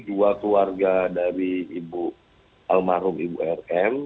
dua keluarga dari ibu almarhum ibu rm